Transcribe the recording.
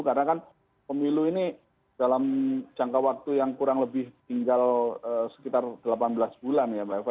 karena kan pemilu ini dalam jangka waktu yang kurang lebih tinggal sekitar delapan belas bulan ya mbak eva